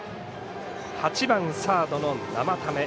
８番サードの生田目。